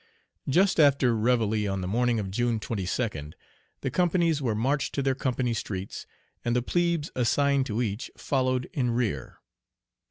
Just after reveille on the morning of June 22d the companies were marched to their company streets, and the "plebes" assigned to each followed in rear.